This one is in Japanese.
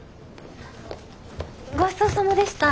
ごちそうさまでした。